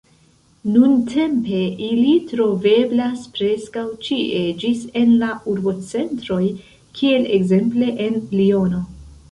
Nuntempe ili troveblas preskaŭ ĉie ĝis en la urbocentroj, kiel ekzemple en Liono.